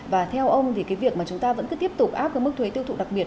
và theo ông thì cái việc mà chúng ta vẫn cứ tiếp tục áp cái mức thuế tiêu thụ đặc biệt